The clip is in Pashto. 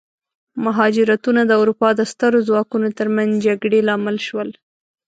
مهاجرتونه د اروپا د سترو ځواکونو ترمنځ جګړې لامل شول.